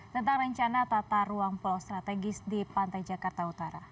tentang rencana tata ruang pulau strategis di pantai jakarta utara